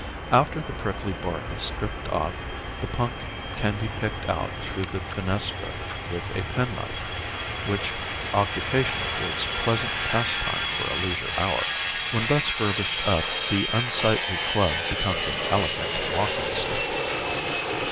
After the prickly bark is stripped off the punk can be picked out through the fenestra with a penknife, which occupation affords pleasant pastime for a leisure hour. When thus furbished up the unsightly club becomes an elegant walking stick.